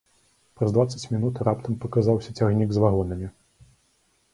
Праз дваццаць мінут раптам паказаўся цягнік з вагонамі.